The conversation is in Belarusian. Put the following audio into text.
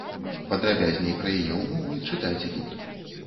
Падрабязней пра яе ўмовы чытайце тут.